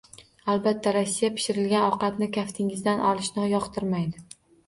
Albatta, Rossiya pishirilgan ovqatni kaftingizdan olishni yoqtirmaydi